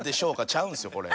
ちゃうんですよこれ。